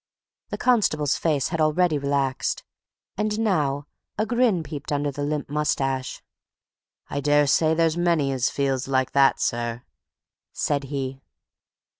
The constable's face had already relaxed, and now a grin peeped under the limp moustache. "I daresay there's many as feels like that, sir," said he.